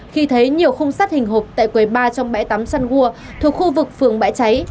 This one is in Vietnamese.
khi thấy nhiều khung sắt hình hộp tại quầy ba trong bãi tắm sunwood thuộc khu vực phường bãi cháy